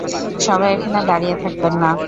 সবাই এখানে দাঁড়িয়ে থাকবেন না!